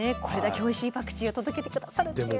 これだけおいしいパクチーを届けて下さるって。